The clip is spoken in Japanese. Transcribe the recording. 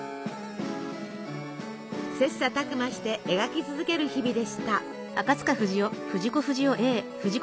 切さたく磨して描き続ける日々でした。